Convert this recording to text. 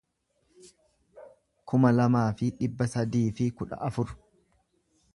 kuma lamaa fi dhibba sadii fi kudha afur